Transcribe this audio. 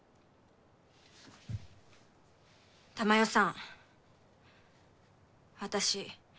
珠世さん私。